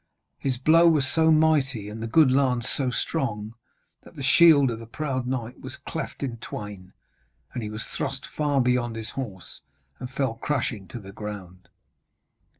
His blow was so mighty, and the good lance so strong, that the shield of the proud knight was cleft in twain, and he was thrust far beyond his horse and fell crashing to the ground.